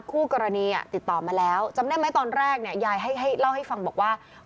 คู่กรณีติดต่อมาแล้วจำได้ไหมตอนแรกเนี่ยยายให้เล่าให้ฟังบอกว่า